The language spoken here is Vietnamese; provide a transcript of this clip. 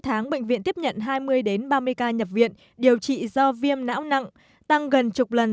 sáu tháng bệnh viện tiếp nhận hai mươi ba mươi ca nhập viện điều trị do viêm não nặng tăng gần chục lần